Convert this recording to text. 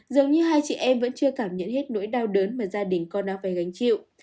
dường như hai chị em vẫn chưa cảm nhận hết nỗi đau đớn mà gia đình con ao phải gánh chịu